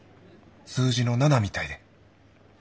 数字の「７」みたいで。